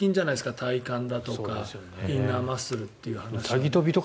体幹とかインナーマッスルという話は。